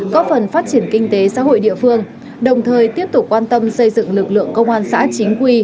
có phần phát triển kinh tế xã hội địa phương đồng thời tiếp tục quan tâm xây dựng lực lượng công an xã chính quy